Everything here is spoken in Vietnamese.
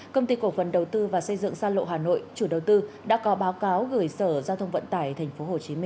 công ty cổ phần đầu tư và xây dựng sa lộ hà nội chủ đầu tư đã có báo cáo gửi sở giao thông vận tải tp hcm